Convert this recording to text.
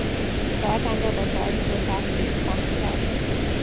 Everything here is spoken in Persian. ساعتم را با ساعت تو تطبیق خواهم کرد.